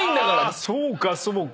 あそうかそうか。